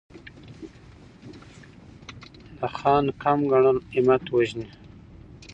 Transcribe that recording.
د ځان کم ګڼل همت وژني.